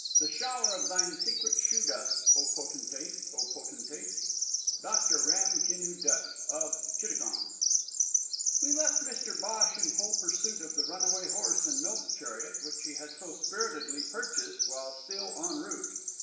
The shower of thine secret shoe dust Oh, Potentate! Oh, Potentate! Dr. Ram Kinoo Dutt (of Chittagong). We left Mr Bhosh in full pursuit of the runaway horse and milk chariot which he had so spiritedly purchased while still en route.